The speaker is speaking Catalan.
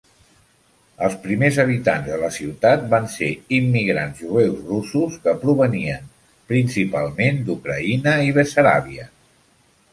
Els primers habitants de la ciutat van ser immigrants jueus russos que provenien principalment d'Ucraïna i Bessaràbia.